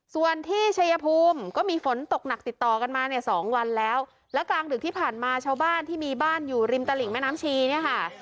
ส่วนที่ชัยภูมิก็มีฝนตกหนักติดต่อกันมาเนี่ยสองวันแล้วแล้วกลางดึกที่ผ่านมาชาวบ้านที่มีบ้านอยู่ริมตลิ่งแม่น้ำชีเนี่ยค่ะ